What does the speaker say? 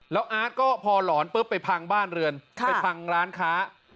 แล้วอาร์ตก็พอหลอนปุ๊บไปพังบ้านเรือนไปพังร้านค้า